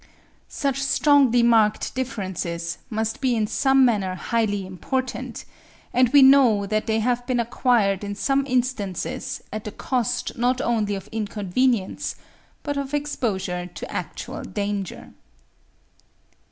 Such strongly marked differences must be in some manner highly important; and we know that they have been acquired in some instances at the cost not only of inconvenience, but of exposure to actual danger.